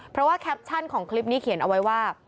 เพราะว่าแคปชั่นของคลิปนี้เขียนเอาไว้ว่า